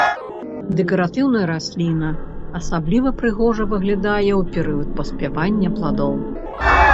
Дэкаратыўная расліна, асабліва прыгожа выглядае ў перыяд паспявання пладоў.